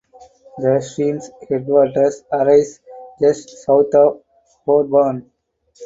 The stream headwaters arise just south of Bourbon.